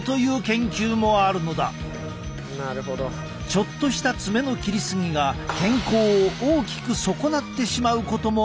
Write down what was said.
ちょっとした爪の切り過ぎが健康を大きく損なってしまうこともあるのだ。